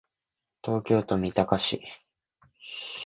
東京都三鷹市